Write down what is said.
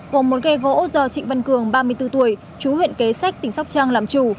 gồm một ghe gỗ do trịnh văn cường ba mươi bốn tuổi chú huyện kế sách tỉnh sóc trăng làm chủ